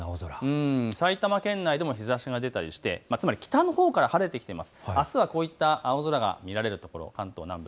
埼玉県内でも日ざしが出たりしてつまり北のほうから晴れてきています。